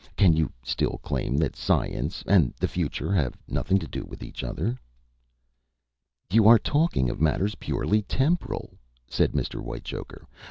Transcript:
Can you still claim that science and the future have nothing to do with each other?" "You are talking of matters purely temporal," said Mr. Whitechoker.